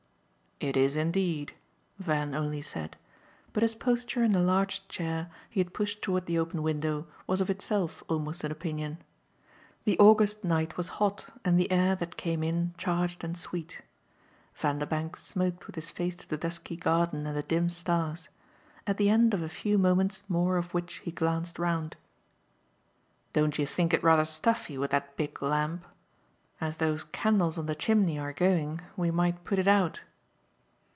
"It is indeed," Van only said; but his posture in the large chair he had pushed toward the open window was of itself almost an opinion. The August night was hot and the air that came in charged and sweet. Vanderbank smoked with his face to the dusky garden and the dim stars; at the end of a few moments more of which he glanced round. "Don't you think it rather stuffy with that big lamp? As those candles on the chimney are going we might put it out."